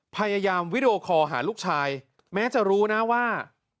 พยายามวิดีโอคอลหาลูกชายแม้จะรู้นะว่า